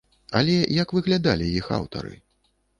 Але як выглядалі іх аўтары?